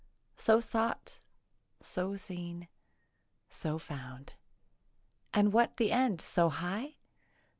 So sought, so seen, so found. And what the end so high?